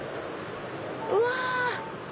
うわ！